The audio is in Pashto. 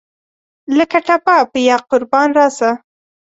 لکه ټپه پۀ یاقربان راسه !